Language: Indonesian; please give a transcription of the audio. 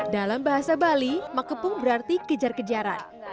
dalam bahasa bali makepung berarti kejar kejaran